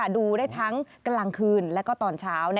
ดูได้ทั้งกลางคืนและก็ตอนเช้า